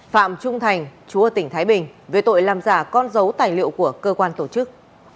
phạm trung thành chú ở tỉnh thái bình về tội làm giả con dấu tài liệu của cơ quan tổ chức